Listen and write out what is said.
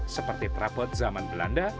seperti terapet zaman belanda